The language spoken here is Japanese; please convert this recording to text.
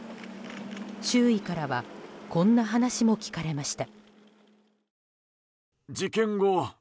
周囲からはこんな話も聞かれました。